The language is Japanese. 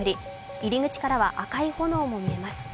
入り口からは赤い炎も見えます。